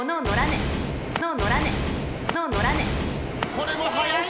これも早い！